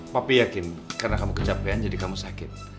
papi yakin karena kamu kecapean jadi kamu sakit